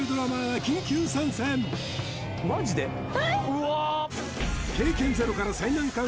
うわ！